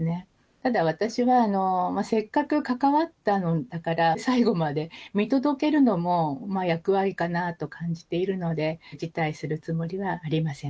ただ私は、せっかく関わったのだから、最後まで見届けるのも役割かなと感じているので、辞退するつもりはありません。